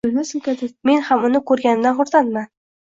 Men ham uni ko`rganimdan xursandman